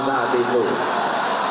saya ingin menjaga kepentingan